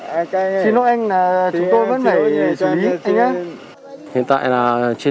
xin lỗi anh chúng tôi vẫn phải xử lý anh nhé